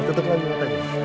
tutup lagi matanya